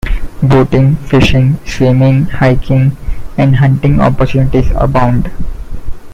Boating, fishing, swimming, hiking, and hunting opportunities abound.